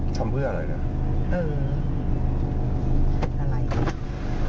สายแทรก